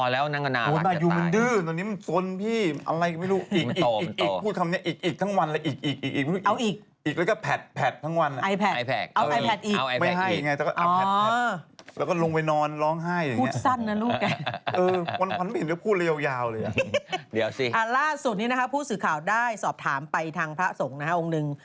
ล่าสุดนี้นะคะผู้สื่อข่าวได้สอบถามไปทางพระสงฆ์นะฮะองค์หนึ่ง